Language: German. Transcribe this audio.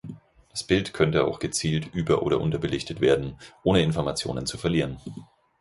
Das Bild könnte auch gezielt über- oder unterbelichtet werden, ohne Information zu verlieren.